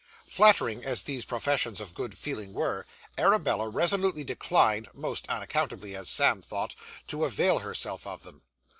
Flattering as these professions of good feeling were, Arabella resolutely declined (most unaccountably, as Sam thought) to avail herself of them.